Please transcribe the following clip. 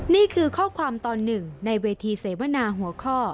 นี่คือข้อความตอนหนึ่งในเวทีเสวนาหัวข้อ